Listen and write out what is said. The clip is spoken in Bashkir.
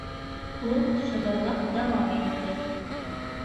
— Ул шыбырлап дауам итте.